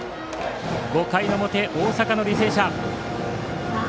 ５回の表、大阪の履正社。